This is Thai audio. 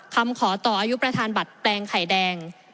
คำขอต่ออายุประธานบัตรแปลงไข่แดง